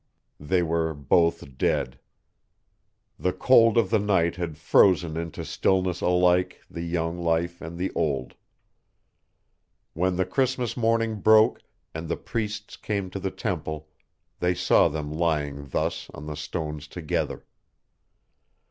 They were both dead: the cold of the night had frozen into stillness alike the young life and the old. When the Christmas morning broke and the priests came to the temple, they saw them lying thus on the stones together.